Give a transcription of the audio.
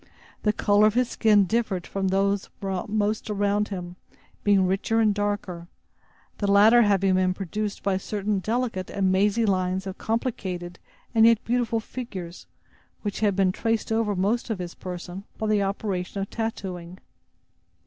The color of his skin differed from that of most around him, being richer and darker, the latter having been produced by certain delicate and mazy lines of complicated and yet beautiful figures, which had been traced over most of his person by the operation of tattooing.